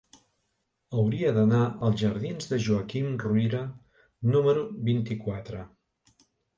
Hauria d'anar als jardins de Joaquim Ruyra número vint-i-quatre.